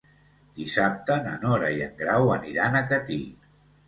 Dissabte na Nora i en Grau aniran a Catí.